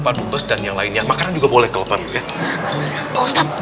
pak dumbes dan yang lainnya makanan juga boleh kalau pak ustadz enaknya pak dumbes gak puasa